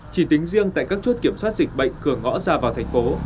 chỉ tính riêng tại các chốt kiểm soát dịch bệnh cửa ngõ ra vào thành phố